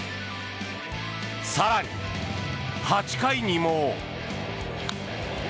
更に、８回にも。